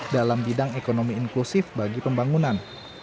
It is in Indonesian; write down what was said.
dalam bidang ekonomi inklusif bagi pembangunan